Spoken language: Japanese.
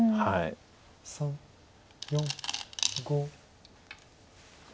３４５。